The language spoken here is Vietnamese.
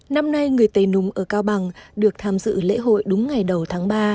năm nay người tây nùng ở cao bằng được tham dự lễ hội đúng ngày đầu tháng ba